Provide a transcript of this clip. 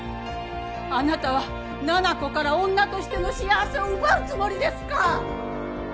あなたは奈々子から女としての幸せを奪うつもりですか！？